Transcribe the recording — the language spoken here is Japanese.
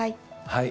はい。